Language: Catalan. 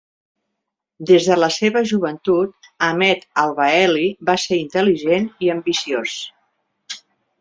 Des de la seva joventut, Ahmed Al-Waeli va ser intel·ligent i ambiciós.